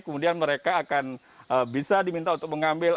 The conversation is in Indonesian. kemudian mereka akan bisa diminta untuk mengambil